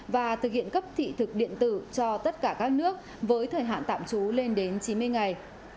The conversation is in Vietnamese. và thực hiện cấp thị thực điện tử cho tất cả các nước với thời hạn tạm trú lên đến chín mươi ngày